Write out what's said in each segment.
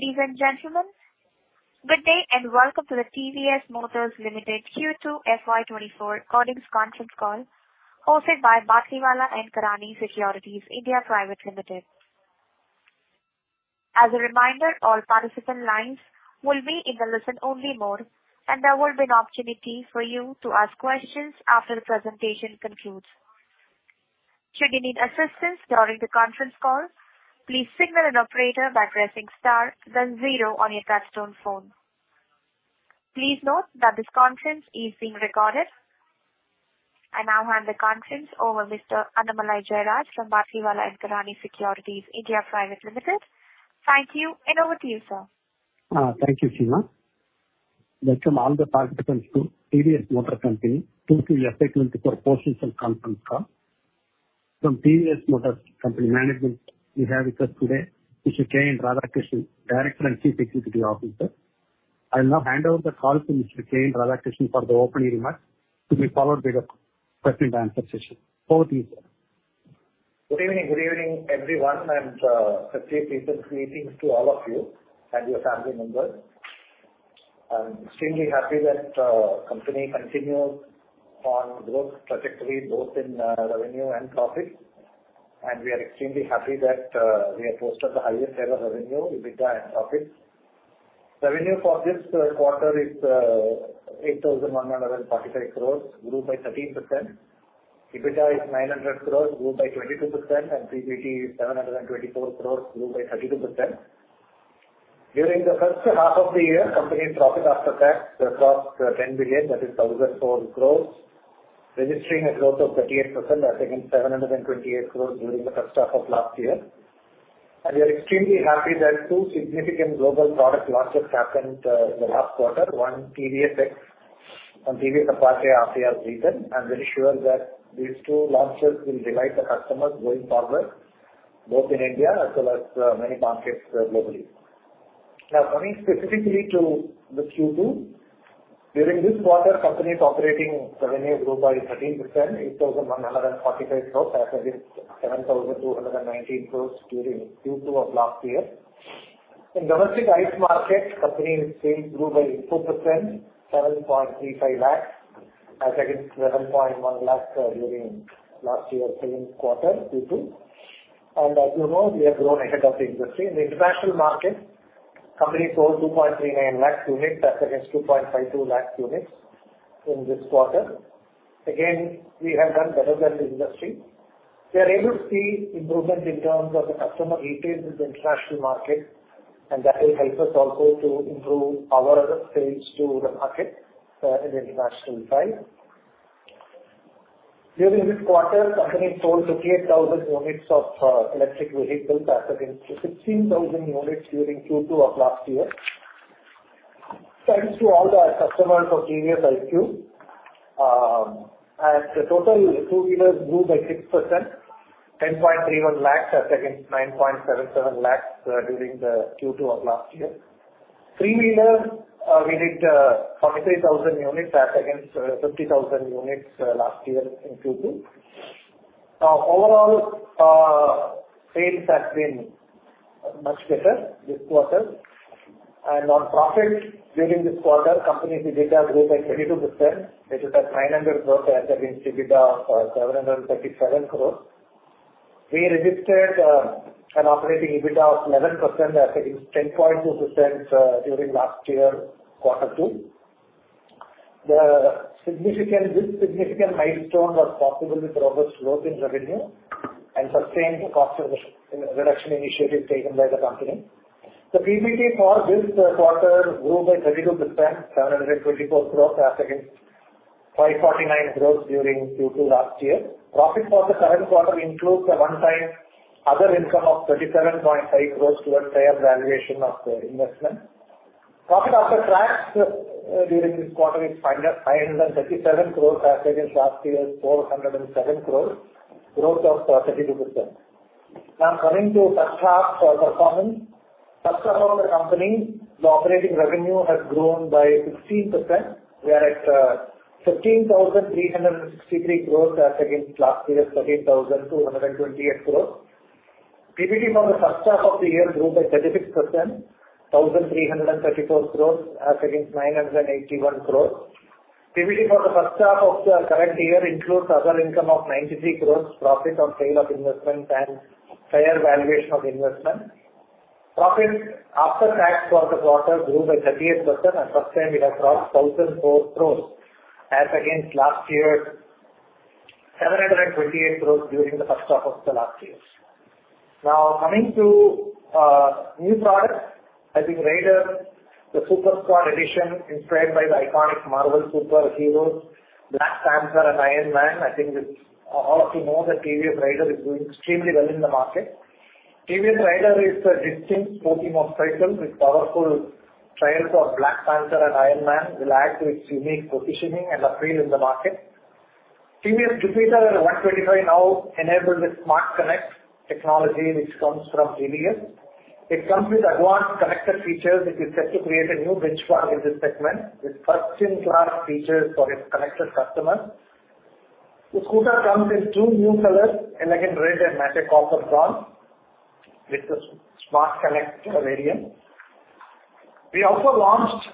Ladies and gentlemen, good day, and welcome to the TVS Motor Company Q2 FY 2024 earnings conference call, hosted by Batlivala & Karani Securities India Private Limited. As a reminder, all participant lines will be in the listen only mode, and there will be an opportunity for you to ask questions after the presentation concludes. Should you need assistance during the conference call, please signal an operator by pressing star, then zero on your touchtone phone. Please note that this conference is being recorded. I now hand the conference over Mr. Annamalai Jayaraj, from Batlivala & Karani Securities India Private Limited. Thank you, and over to you, sir. Thank you, Seema. Welcome all the participants to TVS Motor Company Q2 FY 2024 post earnings conference call. From TVS Motor Company management, we have with us today, Mr. K. N. Radhakrishnan, Director and Chief Executive Officer. I'll now hand over the call to Mr. K. N. Radhakrishnan for the opening remarks, to be followed by the question and answer session. Over to you, sir. Good evening. Good evening, everyone, and happy greetings to all of you and your family members. I'm extremely happy that company continues on growth trajectory, both in revenue and profit. We are extremely happy that we have posted the highest ever revenue, EBITDA, and profit. Revenue for this quarter is 8,145 crores, grew by 13%. EBITDA is 900 crores, grew by 22%, and PBT, 724 crores, grew by 32%. During the first half of the year, company profit after tax, we have crossed ten billion, that is, 1,004 crores, registering a growth of 38% as against 728 crores during the first half of last year. We are extremely happy that two significant global product launches happened in the last quarter. One, TVS X and TVS Apache RTR series. I'm very sure that these two launches will delight the customers going forward, both in India as well as many markets globally. Now, coming specifically to the Q2. During this quarter, company's operating revenue grew by 13%, 8,145 crore as against 7,219 crore during Q2 of last year. In domestic ICE market, company's sales grew by 4%, 7.35 lakh units, as against 7.1 lakh units during last year's same quarter, Q2. And as you know, we have grown ahead of the industry. In the international market, company sold 2.39 lakh units, as against 2.52 lakh units in this quarter. Again, we have done better than the industry. We are able to see improvement in terms of the customer intake in the international market, and that will help us also to improve our other sales to the market in the international side. During this quarter, company sold 38,000 units of electric vehicles, as against 16,000 units during Q2 of last year. Thanks to all the customers of TVS iQube. The total two-wheelers grew by 6%, 10.31 lakh as against 9.77 lakh during the Q2 of last year. Three-wheeler, we did 23,000 units as against 50,000 units last year in Q2. Overall, sales has been much better this quarter. On profit, during this quarter, company's EBITDA grew by 22%, which is at 900 crore as against EBITDA of 737 crore. We registered an operating EBITDA of 11% as against 10.2% during last year, quarter two. This significant milestone was possible with robust growth in revenue and sustained cost reduction initiative taken by the company. The PBT for this quarter grew by 32%, 724 crore as against 549 crore during Q2 last year. Profit for the current quarter includes a one-time other income of 37.5 crore towards fair valuation of the investment. Profit after tax during this quarter is 537 crore as against last year's 407 crore. Growth of 32%. Now, coming to first half, performance. First half of the company, the operating revenue has grown by 16%. We are at 15,363 crore as against last year's 13,228 crore. PBT for the first half of the year grew by 36%, 1,334 crore as against 981 crore. PBT for the first half of the current year includes other income of 93 crore, profit on sale of investment, and fair valuation of investment. Profit after tax for the quarter grew by 38%, and first time we have crossed 1,004 crore as against last year, 728 crore during the first half of the last year. Now, coming to new products. I think Raider, the Super Squad edition, inspired by the iconic Marvel superheroes, Black Panther and Iron Man. I think all of you know that TVS Raider is doing extremely well in the market. TVS Raider is a distinct sporting of cycle with powerful trails of Black Panther and Iron Man, will add to its unique positioning and appeal in the market. TVS Jupiter and 125 now enabled with SmartXonnect technology, which comes from TVS. It comes with advanced connected features, which is set to create a new benchmark in this segment, with first-in-class features for its connected customers. The scooter comes in two new colors, Elegant Red and Matte Copper Bronze, with the SmartXonnect variant. We also launched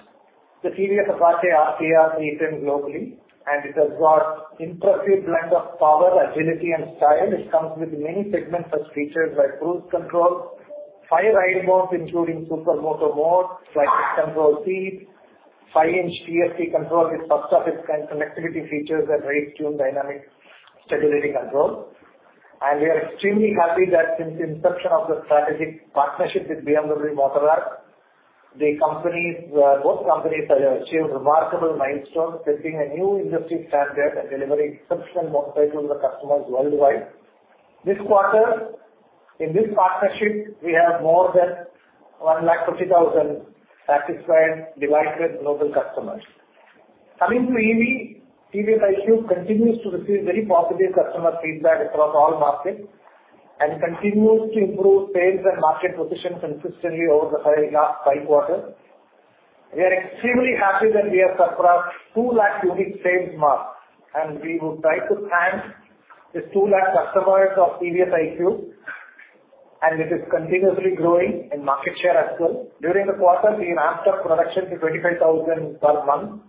the TVS Apache RTR 310 globally, and it has got impressive blend of power, agility and style. It comes with many segment such features like cruise control, five ride modes, including super moto mode, like control seat, 5-inch TFT control with first of its kind connectivity features and Race Tuned Dynamic Stability Control. We are extremely happy that since inception of the strategic partnership with BMW Motorrad, the companies, both companies have achieved remarkable milestones, setting a new industry standard and delivering exceptional motorcycles to the customers worldwide. This quarter, in this partnership, we have more than 150,000 satisfied, delighted global customers. Coming to EV, TVS iQube continues to receive very positive customer feedback across all markets and continues to improve sales and market position consistently over the last five quarters. We are extremely happy that we have surpassed 200,000 unique sales mark, and we would like to thank these 200,000 customers of TVS iQube, and it is continuously growing in market share as well. During the quarter, we ramped up production to 25,000 per month,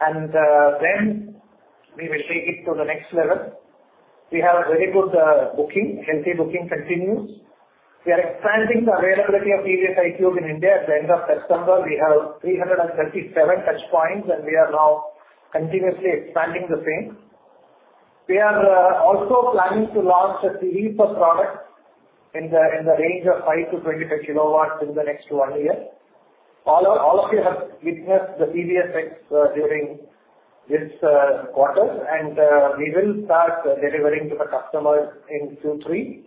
and then we will take it to the next level. We have a very good booking. Healthy booking continues. We are expanding the availability of TVS iQube in India. At the end of September, we have 337 touchpoints, and we are now continuously expanding the same. We are also planning to launch a series of products in the range of 5-25 kilowatts in the next 1 year. All of you have witnessed the TVS X during this quarter, and we will start delivering to the customers in Q3.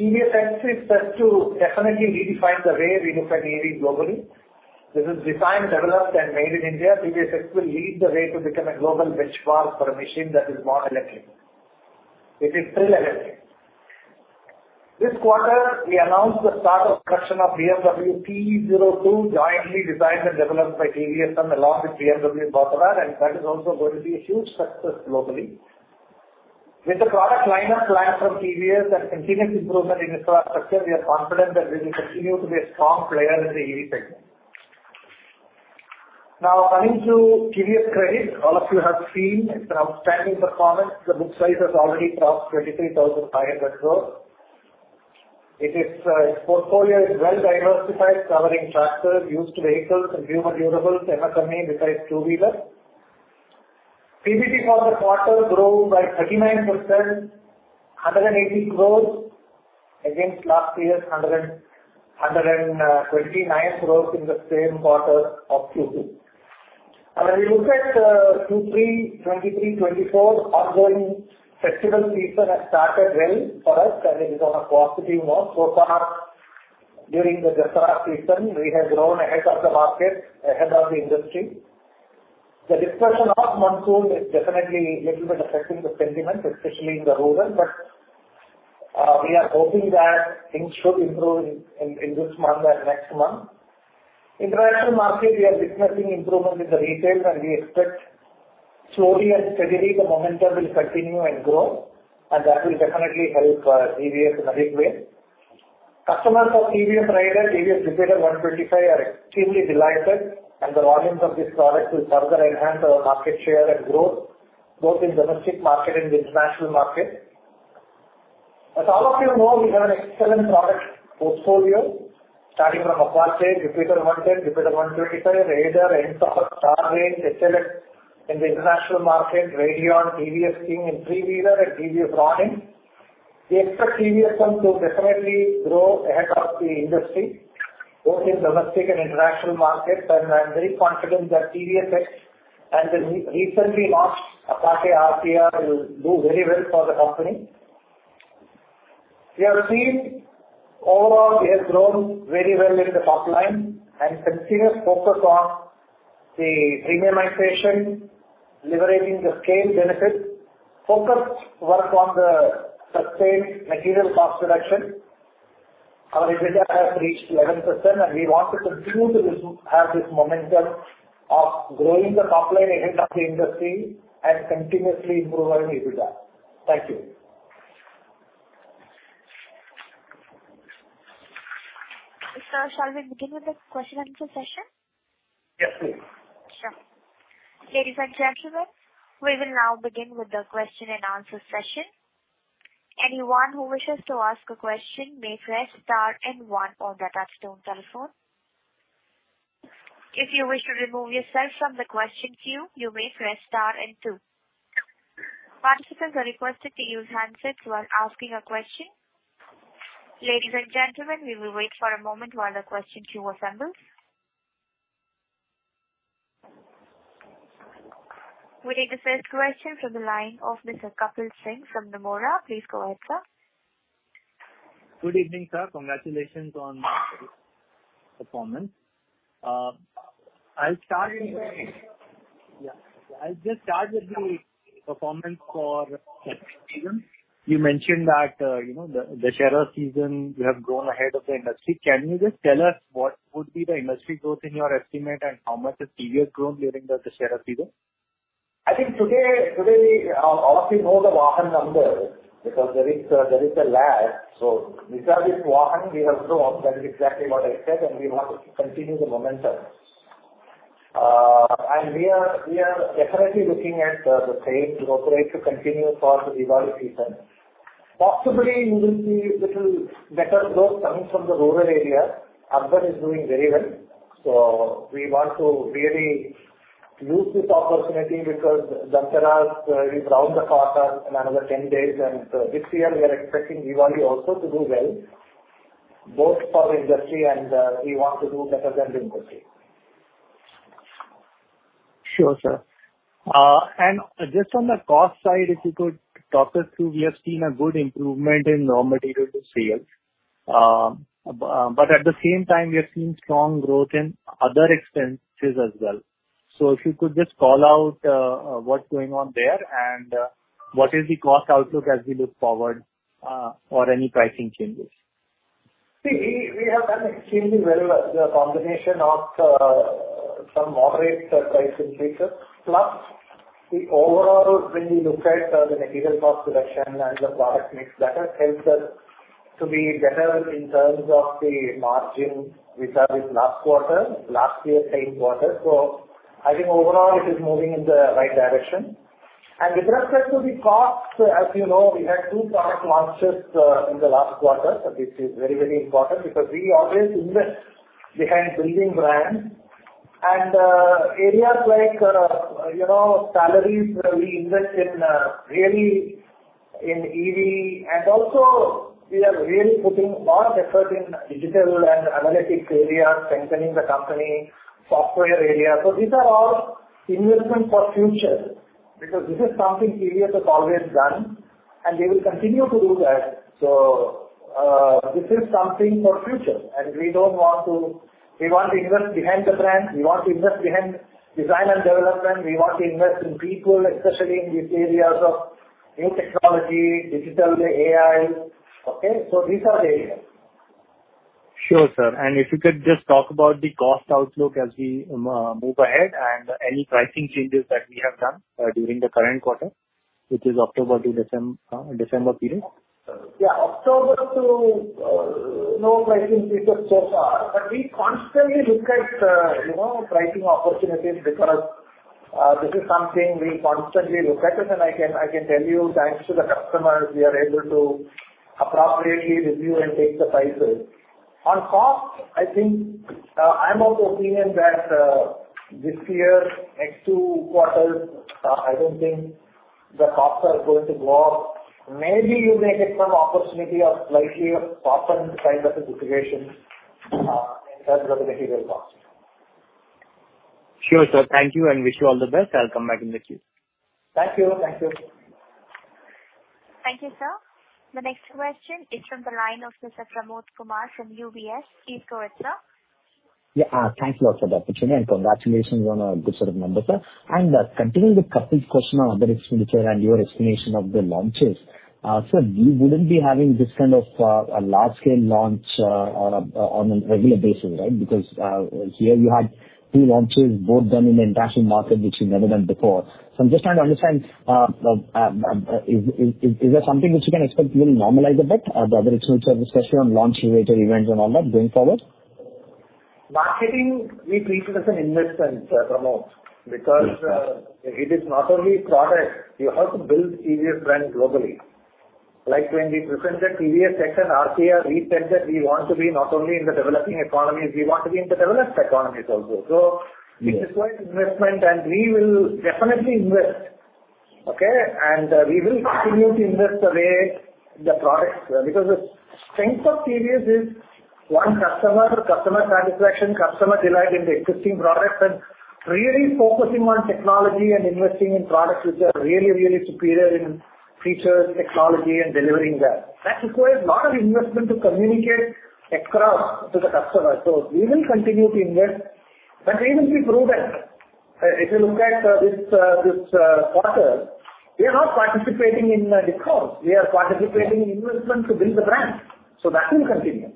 TVS X is set to definitely redefine the way we look at EV globally. This is designed, developed and made in India. TVS X will lead the way to become a global benchmark for a machine that is born electric. It is thrill electric. This quarter, we announced the start of production of BMW CE 02, jointly designed and developed by TVS and along with BMW Motorrad, and that is also going to be a huge success globally. With the product lineup plan from TVS and continuous improvement in infrastructure, we are confident that we will continue to be a strong player in the EV segment. Now, coming to TVS Credit, all of you have seen its outstanding performance. The book size has already crossed 23,500 crore. It is, its portfolio is well diversified, covering tractors, used vehicles, consumer durables and a company besides two-wheeler. PBT for the quarter grew by 39%, 180 crore against last year's 129 crore in the same quarter of Q2. When you look at Q3 2023-2024, ongoing festival season has started well for us, and it is on a positive note. So far, during the Dasara season, we have grown ahead of the market, ahead of the industry. The dispersion of monsoon is definitely little bit affecting the sentiment, especially in the rural, but we are hoping that things should improve in this month and next month. International market, we are witnessing improvement in the retail, and we expect slowly and steadily the momentum will continue and grow, and that will definitely help TVS in a big way. Customers of TVS Raider, TVS Jupiter 125 are extremely delighted, and the volumes of this product will further enhance our market share and growth, both in domestic market and the international market. As all of you know, we have an excellent product portfolio, starting from Apache, Jupiter 110, Jupiter 125, Raider, and Star Range, XL in the international market, Radeon, TVS King in three-wheeler and TVS Ronin. We expect TVS to definitely grow ahead of the industry, both in domestic and international markets. I'm very confident that TVS X and the recently launched Apache RTR will do very well for the company. We have seen overall, we have grown very well in the top line and continuous focus on the premiumization, leveraging the scale benefits, focused work on the sustained material cost reduction. Our EBITDA has reached 11%, and we want to continue to have this momentum of growing the top line ahead of the industry and continuously improving EBITDA. Thank you. Sir, shall we begin with the question and answer session? Yes, please. Sure. Ladies and gentlemen, we will now begin with the question and answer session. Anyone who wishes to ask a question may press star and one on the touchtone telephone. If you wish to remove yourself from the question queue, you may press star and two. Participants are requested to use handsets while asking a question. Ladies and gentlemen, we will wait for a moment while the question queue assembles. We take the first question from the line of Mr. Kapil Singh from Nomura. Please go ahead, sir. Good evening, sir. Congratulations on performance. I'll start with. Yeah, I'll just start with the performance for season. You mentioned that, you know, the festive season, you have grown ahead of the industry. Can you just tell us what would be the industry growth in your estimate and how much has TVS grown during the festive season? I think today, all of you know the Vahan number, because there is a, there is a lag. So we saw this Vahan, we have grown. That is exactly what I said, and we want to continue the momentum. And we are, we are definitely looking at the same growth rate to continue for the Diwali season. Possibly, you will see little better growth coming from the rural area. Urban is doing very well. So we want to really use this opportunity because Sankranti is around the corner in another 10 days, and this year we are expecting Diwali also to do well, both for the industry and, we want to do better than the industry. Sure, sir. And just on the cost side, if you could talk us through. We have seen a good improvement in raw material to sales, but at the same time, we have seen strong growth in other expenses as well. So if you could just call out, what's going on there and, what is the cost outlook as we look forward, or any pricing changes? See, we have done extremely very well. The combination of some moderate price increases, plus the overall, when you look at the material cost reduction and the product mix, that has helped us to be better in terms of the margin we had in last quarter, last year, same quarter. So I think overall it is moving in the right direction. And with respect to the cost, as you know, we had two product launches in the last quarter. So this is very, very important because we always invest behind building brands. And areas like, you know, salaries, we invest in really in EV. And also we are really putting more effort in digital and analytics area, strengthening the company, software area. So these are all investment for future, because this is something TVS has always done, and we will continue to do that. This is something for the future, and we don't want to. We want to invest behind the brand, we want to invest behind design and development. We want to invest in people, especially in these areas of new technology, digital, AI. Okay? These are the areas. Sure, sir. If you could just talk about the cost outlook as we move ahead and any pricing changes that we have done during the current quarter, which is October to December period. Yeah. October to no pricing increases so far, but we constantly look at, you know, pricing opportunities because this is something we constantly look at. And I can tell you, thanks to the customers, we are able to appropriately review and take the prices. On cost, I think, I'm of the opinion that this year, next two quarters, I don't think the costs are going to go up. Maybe you may get some opportunity of slightly soften side of the situation in terms of the material cost. Sure, sir. Thank you and wish you all the best. I'll come back in the queue. Thank you. Thank you. Thank you, sir. The next question is from the line of Mr. Pramod Kumar from UBS. Please go ahead, sir. Yeah. Thank you a lot for the opportunity, and congratulations on a good set of numbers, sir. And, continuing with Kapil's question on other expenditure and your explanation of the launches, sir, you wouldn't be having this kind of a large-scale launch on a regular basis, right? Because, here you had two launches, both done in the international market, which you've never done before. So I'm just trying to understand, the, is there something which you can expect will normalize a bit the other expenditure, especially on launch-related events and all that going forward? Marketing, we treat it as an investment, Pramod, because it is not only product, you have to build TVS brand globally. Like when we presented TVS Tech and RCR, we said that we want to be not only in the developing economies, we want to be in the developed economies also. Yes. So it requires investment, and we will definitely invest, okay? And we will continue to invest the way in the products, because the strength of TVS is, one, customer, customer satisfaction, customer delight in the existing products, and really focusing on technology and investing in products which are really, really superior in features, technology, and delivering that. That requires a lot of investment to communicate across to the customer. So we will continue to invest, but we will be prudent. If you look at this quarter, we are not participating in discounts, we are participating in investment to build the brand, so that will continue.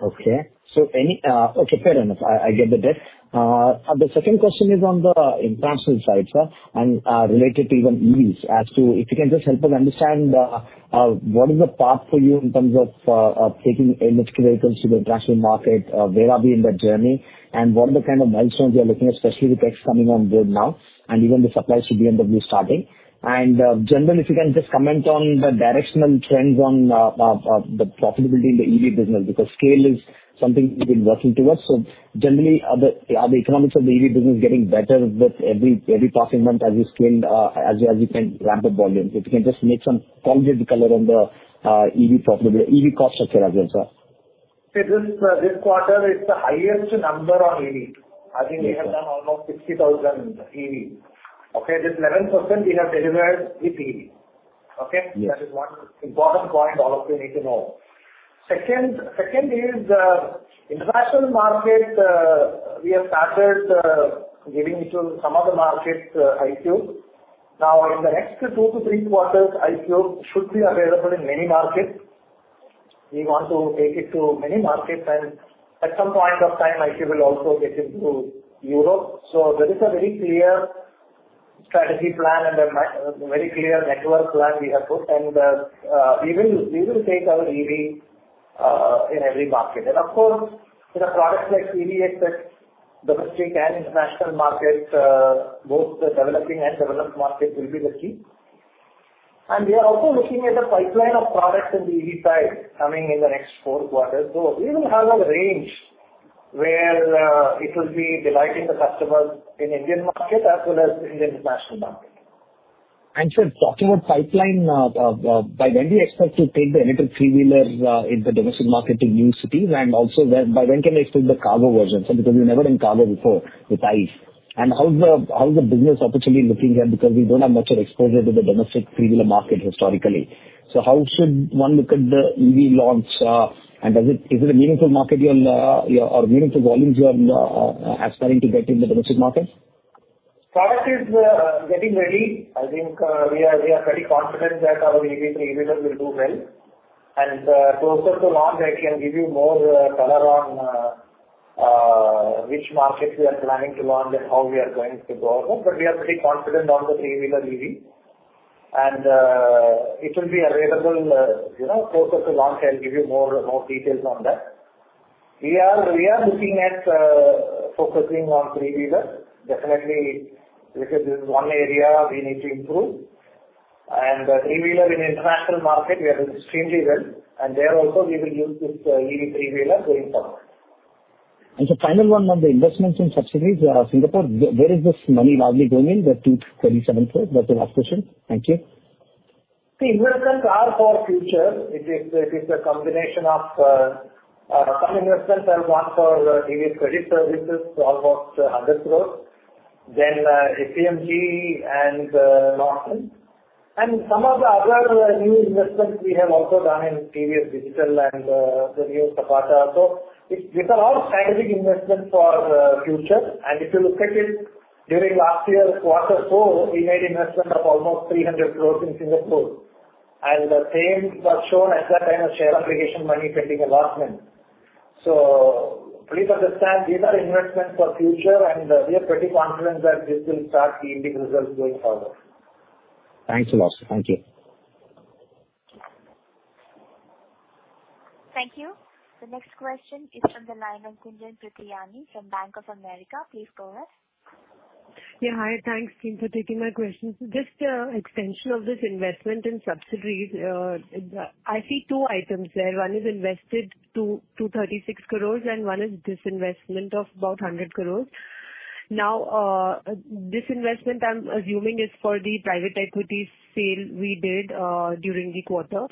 Okay. So any. okay, fair enough. I, I get the bit. The second question is on the international side, sir, and, related to even EVs, as to if you can just help us understand, what is the path for you in terms of, taking electric vehicles to the international market, where are we in that journey? And what are the kind of milestones you're looking at, especially with X coming on board now and even the supplies to BMW starting? And, generally, if you can just comment on the directional trends on, the profitability in the EV business, because scale is something you've been working towards. So generally, are the, are the economics of the EV business getting better with every, every passing month as you scale, as you, as you can ramp up volumes? If you can just make some concrete color on the EV profitability, EV cost structure as well, sir. This quarter is the highest number on EV. Okay. I think we have done almost 60,000 EV, okay? This 11%, we have delivered with EV, okay? Yes. That is one important point all of you need to know. Second, second is, international market, we have started, giving it to some of the markets, iQube. Now, in the next 2-3 quarters, iQube should be available in many markets.... We want to take it to many markets, and at some point of time, I think we will also get it to Europe. So there is a very clear strategy plan and a very clear network plan we have put, and, we will, we will take our EV, in every market. And of course, in a product like TVS, that domestic and international markets, both the developing and developed markets will be the key. And we are also looking at the pipeline of products in the EV side coming in the next 4 quarters. We will have a range where it will be delighting the customers in Indian market as well as Indian international market. And sir, talking about pipeline, by when do you expect to take the electric three-wheeler in the domestic market to new cities, and also by when can I expect the cargo version? So because you've never done cargo before with ICE. And how's the business opportunity looking here? Because we don't have much of exposure to the domestic three-wheeler market historically. So how should one look at the EV launch, and is it a meaningful market you're or meaningful volumes you're aspiring to get in the domestic market? Product is getting ready. I think we are very confident that our EV three-wheeler will do well. And closer to launch, I can give you more color on which markets we are planning to launch and how we are going to go about. But we are pretty confident on the three-wheeler EV, and it will be available, you know, closer to launch, I'll give you more details on that. We are looking at focusing on three-wheeler. Definitely, this is one area we need to improve. And three-wheeler in international market, we are extremely well, and there also we will use this EV three-wheeler going forward. The final one on the investments in subsidiaries, Singapore, where, where is this money largely going in, the 237 crore? That's the last question. Thank you. The investments are for future. It is, it is a combination of, some investments are one for TVS Credit Services, for about 100 crore. Then, SEMG and Norton. And some of the other new investments we have also done in TVS Digital and the new Zapp. These are all strategic investments for the future. If you look at it, during last year's quarter four, we made investment of almost 300 crore in Singapore. The same was shown at that time as share aggregation, money pending allotment. Please understand, these are investments for future, and we are pretty confident that this will start seeing the results going forward. Thanks a lot. Thank you. Thank you. The next question is from the line of Gunjan Prithyani from Bank of America. Please go ahead. Yeah, hi. Thanks for taking my question. So just, extension of this investment in subsidiaries, I see two items there. One is invested 236 crore, and one is disinvestment of about 100 crore. Now, disinvestment, I'm assuming, is for the private equity sale we did during the quarter.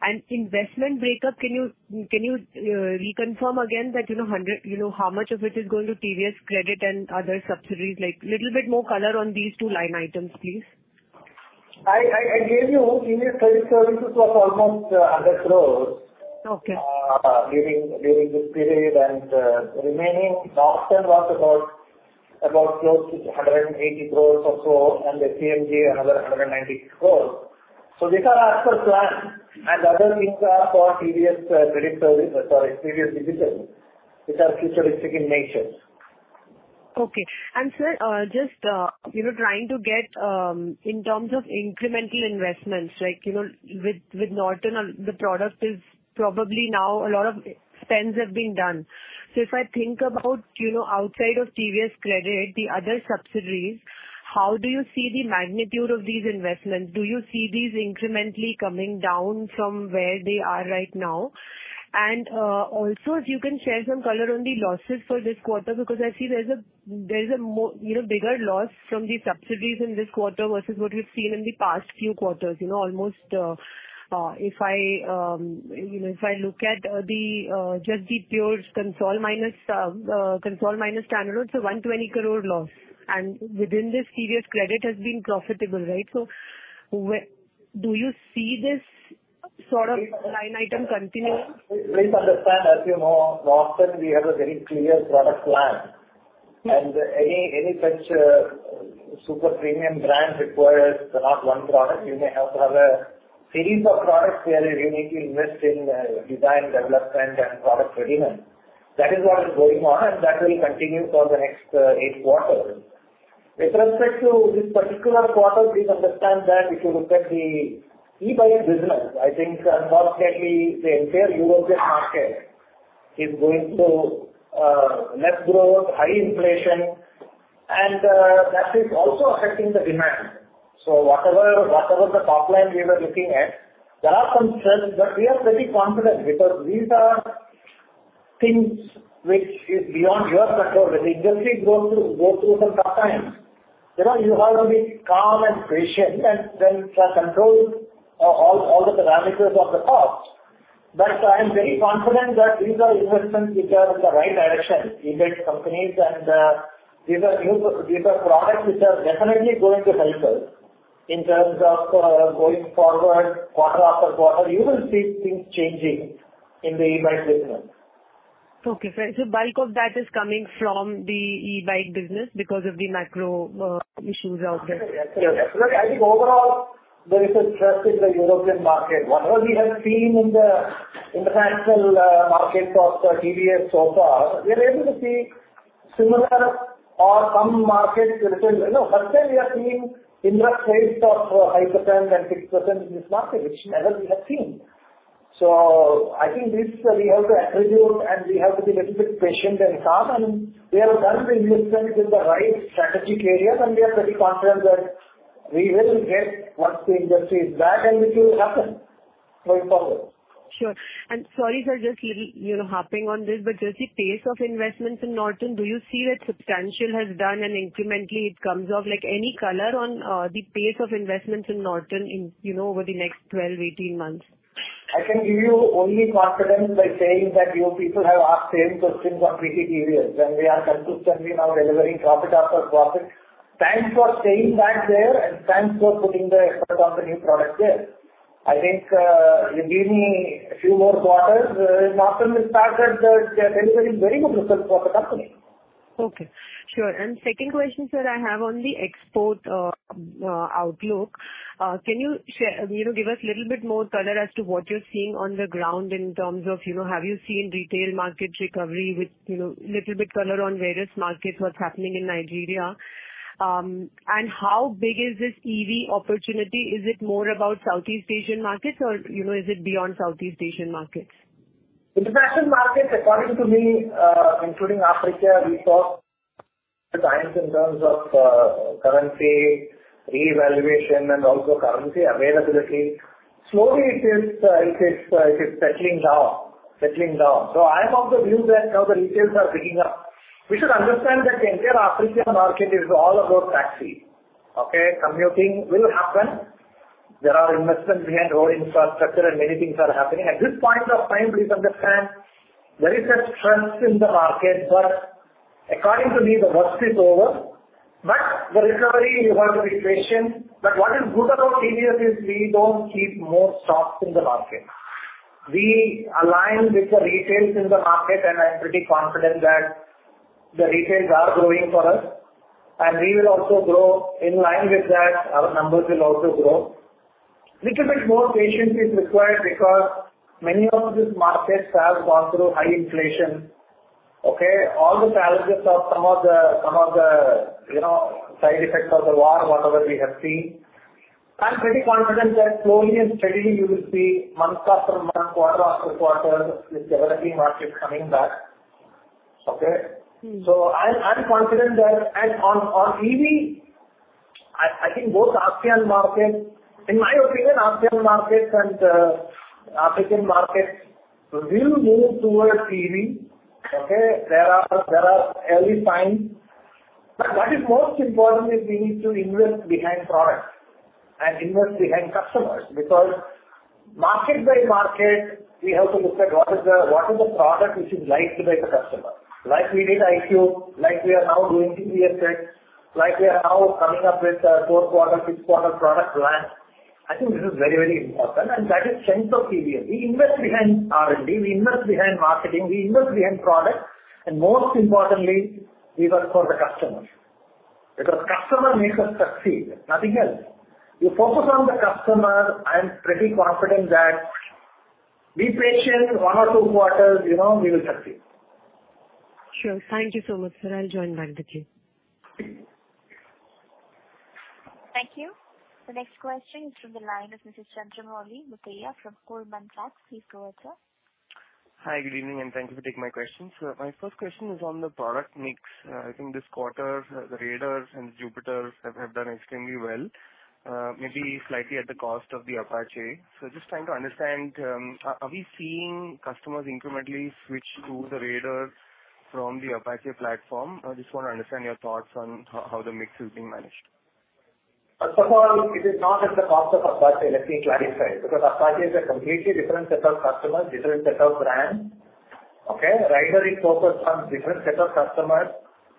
And investment breakup, can you, can you, reconfirm again that, you know, 100. You know, how much of it is going to TVS Credit and other subsidiaries? Like, little bit more color on these two line items, please. I gave you TVS Credit Services was almost 100 crore- Okay. During this period, and remaining, Norton was about close to 180 crore or so, and SEMG, another 190 crore. So these are as per plan, and the other things are for TVS Credit Service, sorry, TVS Digital, which are futuristic in nature. Okay. Sir, just you know, trying to get in terms of incremental investments, like you know, with Norton, the product is probably now a lot of spends have been done. So if I think about you know, outside of TVS Credit, the other subsidiaries, how do you see the magnitude of these investments? Do you see these incrementally coming down from where they are right now? Also, if you can share some color on the losses for this quarter, because I see there's a more you know, bigger loss from the subsidiaries in this quarter versus what we've seen in the past few quarters. You know, almost if I you know, if I look at the just the pure consolidated minus standalone, so 120 crore loss. And within this TVS Credit has been profitable, right? So do you see this sort of line item continuing? Please understand, as you know, Norton, we have a very clear product plan. Any such super premium brand requires not one product. You may have to have a series of products where you need to invest in design, development, and product readiness. That is what is going on, and that will continue for the next eight quarters. With respect to this particular quarter, please understand that if you look at the e-bike business, I think unfortunately, the entire European market is going through less growth, high inflation, and that is also affecting the demand. So whatever the top line we were looking at, there are some trends, but we are pretty confident, because these are things which is beyond your control. The industry go through some tough times. You know, you have to be calm and patient, and then control all the parameters of the cost. I am very confident that these are investments which are in the right direction, e-bike companies and these are new, these are products which are definitely going to help us in terms of going forward, quarter after quarter. You will see things changing in the e-bike business. Okay, so bulk of that is coming from the e-bike business because of the macro, issues out there? Yes, yes. I think overall, there is a trust in the European market. Whatever we have seen in the, in the financial, market of TVS so far, we are able to see similar or some markets, you know, but then we are seeing in that range of 5%-6% in this market, which never we have seen. So I think this we have to attribute, and we have to be little bit patient and calm, and we have done the investment with the right strategic areas, and we are pretty confident that we will get once the industry is back, and it will happen very shortly. Sure. And sorry, sir, just little, you know, harping on this, but just the pace of investments in Norton, do you see that substantial has done and incrementally it comes off, like, any color on the pace of investments in Norton in, you know, over the next 12-18 months? I can give you only confidence by saying that you people have asked same questions on three TVS, and we are consistently now delivering profit after profit. Thanks for saying that there, and thanks for putting the effort on the new product there. I think, you give me a few more quarters, Norton will start that they are delivering very good results for the company. Okay, sure. And second question, sir, I have on the export outlook. Can you share, you know, give us a little bit more color as to what you're seeing on the ground in terms of, you know, have you seen retail market recovery with, you know, little bit color on various markets, what's happening in Nigeria? And how big is this EV opportunity? Is it more about Southeast Asian markets or, you know, is it beyond Southeast Asian markets? International markets, according to me, including Africa, we saw the times in terms of currency revaluation and also currency availability. Slowly it is settling down, settling down. So I am of the view that now the retails are picking up. We should understand that the entire African market is all about taxi, okay? Commuting will happen. There are investments behind road infrastructure and many things are happening. At this point of time, please understand there is a stress in the market, but according to me, the worst is over. But the recovery, you have to be patient. But what is good about TVS is we don't keep more stocks in the market. We align with the retails in the market, and I'm pretty confident that the retails are growing for us, and we will also grow. In line with that, our numbers will also grow. Little bit more patience is required because many of these markets have gone through high inflation, okay? All the challenges of some of the, some of the, you know, side effects of the war, whatever we have seen. I'm pretty confident that slowly and steadily you will see month after month, quarter after quarter, this developing market coming back. Okay? So I'm confident that. And on EV, I think both ASEAN markets. In my opinion, ASEAN markets and African markets will move towards EV, okay? There are early signs, but what is most important is we need to invest behind products and invest behind customers, because market by market, we have to look at what is the product which is liked by the customer. Like we did iQube, like we are now doing TVS X, like we are now coming up with a fourth quarter, fifth quarter product launch. I think this is very, very important, and that is strength of TVS. We invest behind R&D, we invest behind marketing, we invest behind products, and most importantly, we work for the customers. Because customer makes us succeed, nothing else. You focus on the customer. I am pretty confident that, be patient, one or two quarters, you know, we will succeed. Sure. Thank you so much, sir. I'll join back the queue. Thank you. The next question is from the line of Mr. Chandramouli Muthiah from Goldman Sachs. Please go ahead, sir. Hi, good evening, and thank you for taking my question. So my first question is on the product mix. I think this quarter, the Raiders and Jupiters have done extremely well, maybe slightly at the cost of the Apache. So just trying to understand, are we seeing customers incrementally switch to the Raider from the Apache platform? I just want to understand your thoughts on how the mix is being managed. First of all, it is not at the cost of Apache, let me clarify, because Apache is a completely different set of customers, different set of brands, okay? Raider is focused on different set of customers,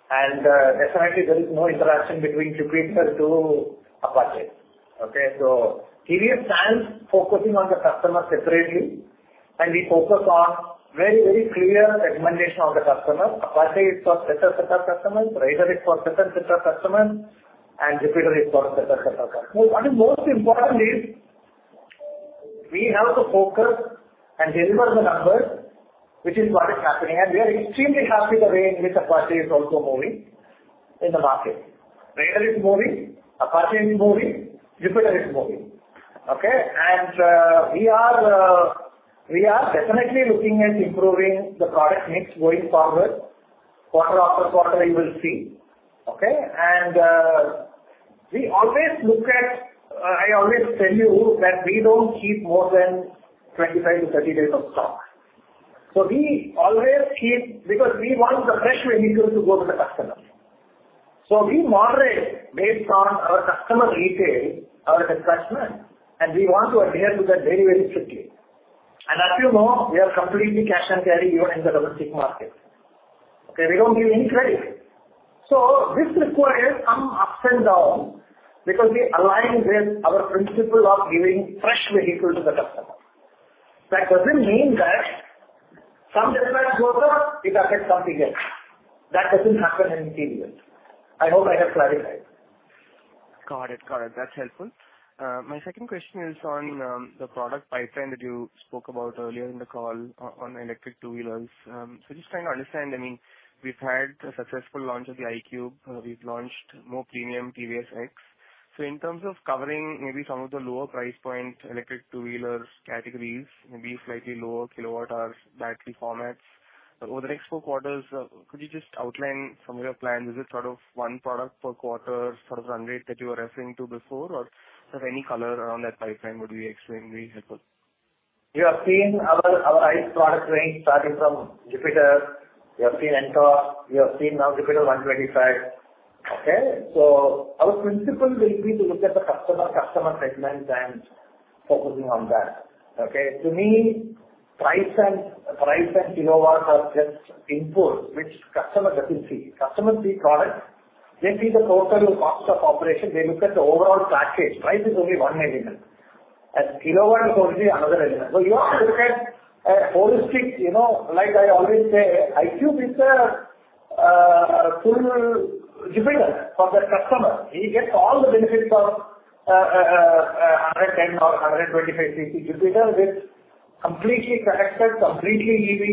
and, definitely there is no interaction between Jupiter to Apache, okay? So TVS stands focusing on the customer separately, and we focus on very, very clear recommendation of the customer. Apache is for certain set of customers, Raider is for certain set of customers, and Jupiter is for certain set of customers. But most importantly, we have to focus and deliver the numbers, which is what is happening, and we are extremely happy the way in which Apache is also moving in the market. Raider is moving, Apache is moving, Jupiter is moving, okay? And, we are, we are definitely looking at improving the product mix going forward. Quarter after quarter, you will see, okay? And, we always look at. I always tell you that we don't keep more than 25-30 days of stock. So we always keep, because we want the fresh vehicles to go to the customers. So we moderate based on our customer retail, our discussion, and we want to adhere to that very, very strictly. And as you know, we are completely cash and carry even in the domestic market. Okay, we don't give any credit. So this requires some ups and downs, because we align with our principle of giving fresh vehicle to the customer. That doesn't mean that some customer goes up, we target something else. That doesn't happen in TVS. I hope I have clarified. Got it. Got it. That's helpful. My second question is on the product pipeline that you spoke about earlier in the call on electric two-wheelers. So just trying to understand, I mean, we've had a successful launch of the iQube. We've launched more premium TVS X. So in terms of covering maybe some of the lower price point, electric two-wheeler categories, maybe slightly lower kilowatt-hours, battery formats. Over the next four quarters, could you just outline some of your plans? Is it sort of one product per quarter, sort of run rate that you were referring to before, or just any color around that timeframe would be extremely helpful. You have seen our product range starting from Jupiter, you have seen Ntorq, you have seen now Jupiter 125, okay? So our principle will be to look at the customer, customer segments and focusing on that, okay? To me, price and, price and kilowatt are just input, which customer doesn't see. Customer see product, they see the total cost of operation, they look at the overall package. Price is only one element, and kilowatt is only another element. So you have to look at a holistic, you know, like I always say, iQube is a full Jupiter for that customer. He gets all the benefits of hundred and ten or hundred and twenty-five cc Jupiter with completely connected, completely EV,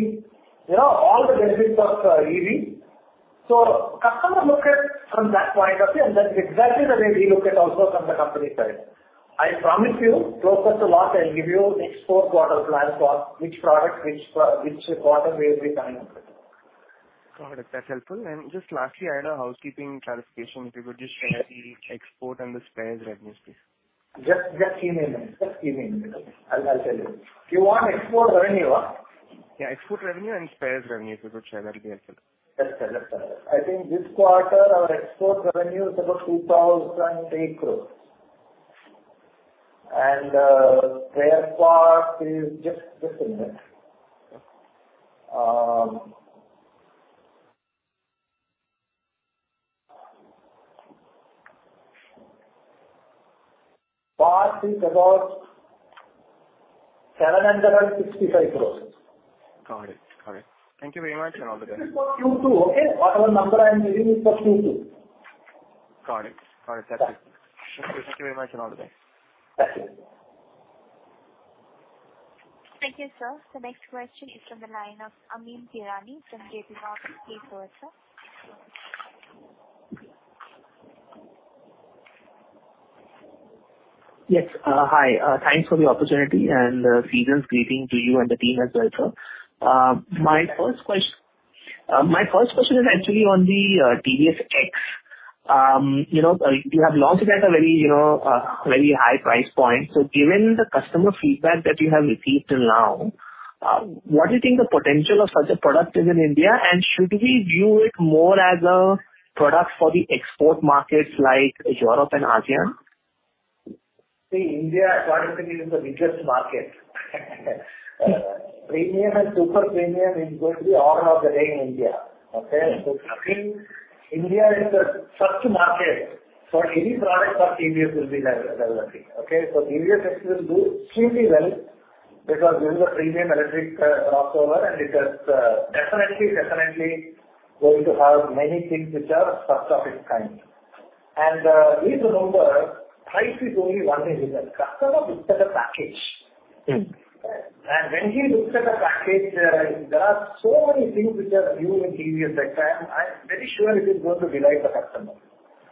you know, all the benefits of EV. So, customer look at from that point of view, and that is exactly the way we look at also from the company side. I promise you, close to a lot, I'll give you next four quarter plan for which product, which quarter will be coming. Got it. That's helpful. Just lastly, I had a housekeeping clarification. If you could just share the export and the spares revenue, please. Just give me a minute. I'll tell you. You want export revenue, huh? Yeah, export revenue and spares revenue, if you could share, that'll be helpful. Let's share, let's share. I think this quarter, our export revenue is about 2,008 crore. And, spare parts is just a minute. Parts is about 765 crore. Got it. Got it. Thank you very much and all the best. This is for Q2, okay? Whatever number I'm giving you is for Q2. Got it. Got it. That's it. Sure. Thank you very much and all the best. Thank you. Thank you, sir. The next question is from the line of Amyn Pirani from JPMorgan. Please go ahead, sir. Yes, hi. Thanks for the opportunity and, seasonal greeting to you and the team as well, sir. My first question is actually on the TVS X. You know, you have launched it at a very, you know, very high price point. So given the customer feedback that you have received till now, what do you think the potential of such a product is in India? And should we view it more as a product for the export markets like Europe and ASEAN? See, India, according to me, is the biggest market. Premium and super premium is going to be order of the day in India, okay? So I think India is the first market for any product of TVS will be developing, okay? So TVS X will do extremely well because it is a premium electric crossover, and it is definitely, definitely going to have many things which are first of its kind. And, please remember, price is only one element. Customer looks at the package. When he looks at the package, there are so many things which are new in TVS X, I, I'm very sure it is going to delight the customer.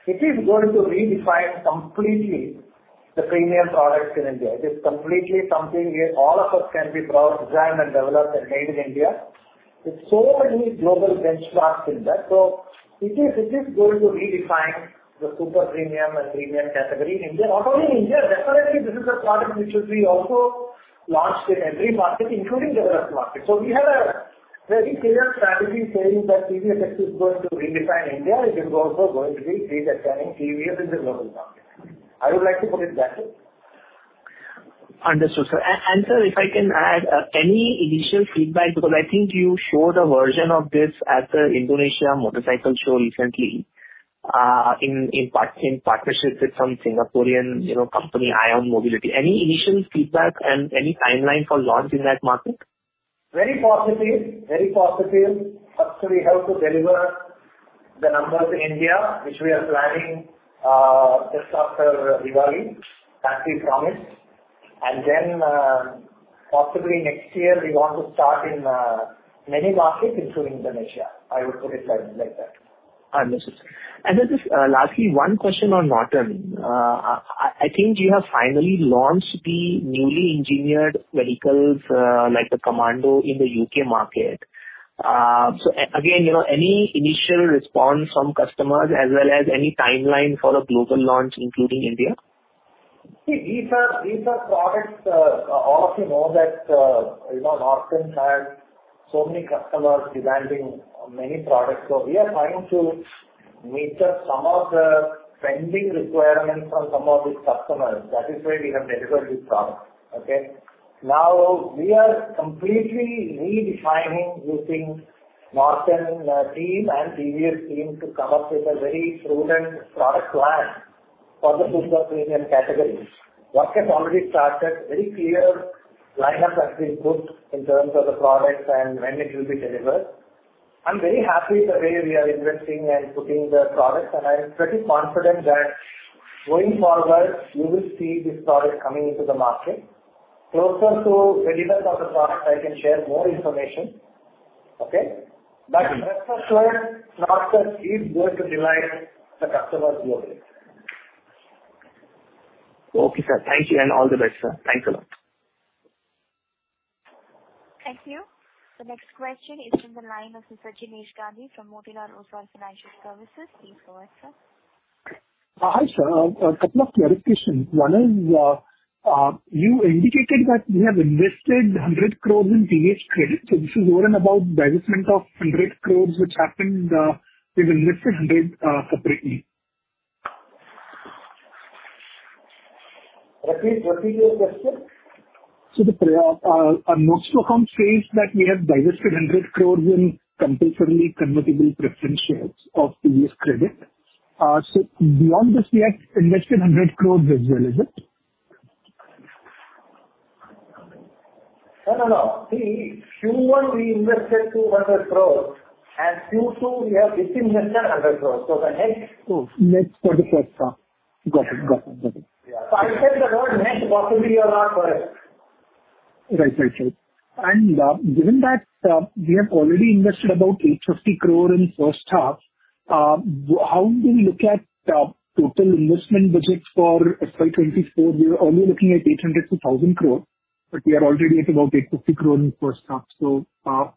It is going to redefine completely the premium products in India. It is completely something all of us can be proud, designed and developed and made in India. With so many global benchmarks in that, so it is, it is going to redefine the super premium and premium category in India. Not only in India, definitely this is a product which should be also launched in every market, including developed market. So we have a very clear strategy saying that TVS X is going to redefine India. It is also going to be the defining TVS in the global market. I would like to put it that way. Understood, sir. And sir, if I can add any initial feedback, because I think you showed a version of this at the Indonesia Motorcycle Show recently, in partnership with some Singaporean, you know, company, ION Mobility. Any initial feedback and any timeline for launch in that market? Very positive. Very positive. First, we have to deliver the numbers in India, which we are planning, just after Diwali, that we promise. And then, possibly next year, we want to start in, many markets, including Indonesia. I would put it like, like that. Understood, sir. And just, lastly, one question on Norton. I think you have finally launched the newly engineered vehicles, like the Commando in the U.K. market. So again, you know, any initial response from customers as well as any timeline for a global launch, including India? See, these are products. All of you know that, you know, Norton had so many customers demanding many products. So we are trying to meet up some of the pending requirements from some of the customers. That is why we have delivered this product, okay? Now, we are completely redefining using Norton team and previous team to come up with a very prudent product plan for the future premium categories. Work has already started, very clear lineup has been put in terms of the products and when it will be delivered. I'm very happy the way we are investing and putting the products, and I'm pretty confident that going forward, you will see this product coming into the market. Closer to the delivery of the product, I can share more information. Okay? But rest assured, Norton is going to delight the customers globally. Okay, sir. Thank you and all the best, sir. Thanks a lot. Thank you. The next question is from the line of Mr. Jinesh Gandhi from Motilal Oswal Financial Services. Please go ahead, sir. Hi, sir. A couple of clarifications. One is, you indicated that you have invested 100 crore in TVS Credit, so this is more about divestment of 100 crore, which happened. We've invested 100 crore separately. Repeat, repeat your question. Our notes account says that we have divested 100 crore in compulsorily convertible preference shares of TVS Credit. Beyond this, we have invested 100 crore as well, is it? No, no, no. See, Q1 we invested 200 crore, and Q2 we have re-invested 100 crore. So the net- Oh, net for the first half. Got it, got it, got it. Yeah. So I said the word net, possibly you are not correct. Right, right, right. And, given that, we have already invested about 850 crore in the first half, how do we look at total investment budget for FY 2024? We were only looking at 800 crore to 1,000 crore, but we are already at about 850 crore in the first half. So, how